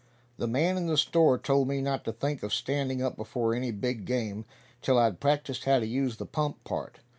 The man in the store told me not to think of standing up before any big game till I'd practiced how to use the pump part.